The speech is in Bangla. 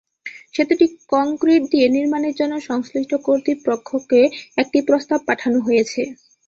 সেতুটি কংক্রিট দিয়ে নির্মাণের জন্য সংশ্লিষ্ট কর্তৃপক্ষকে একটি প্রস্তাব পাঠানো হয়েছে।